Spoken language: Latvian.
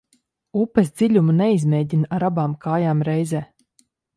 Upes dziļumu neizmēģina ar abām kājām reizē.